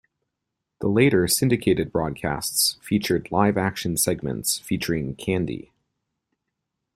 The later syndicated broadcasts featured live action segments featuring Candy.